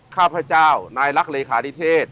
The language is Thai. ข้าพเจ้านายรักเลขานิเทศ